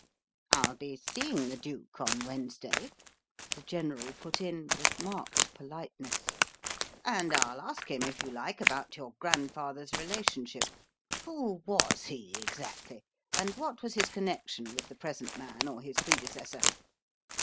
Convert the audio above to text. "I'll be seeing the duke on Wednesday," the General put in, with marked politeness, "and I'll ask him, if you like, about your grandfather's relationship. Who was he exactly, and what was his connection with the present man or his predecessor?"